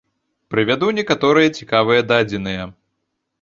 Прывяду некаторыя цікавыя дадзеныя.